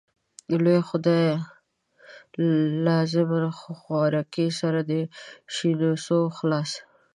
لويه خدايه لازما خوارکۍ سر د شينونسو خلاص.